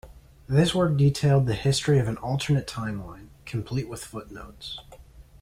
This work detailed the history of an alternate timeline, complete with footnotes.